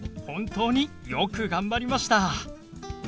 本当によく頑張りました。